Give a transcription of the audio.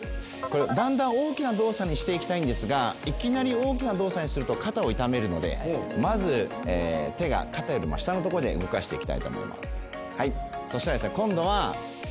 だんだん大きな動作にしていきたいんですがいきなり大きな動作にすると肩を痛めるのでまず手が肩よりも下のところで動かしていきたいと思います。